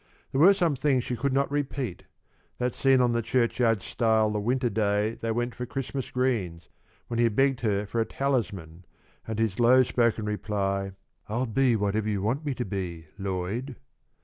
There were some things she could not repeat; that scene on the churchyard stile the winter day they went for Christmas greens, when he had begged her for a talisman, and his low spoken reply, "I'll be whatever you want me to be, Lloyd."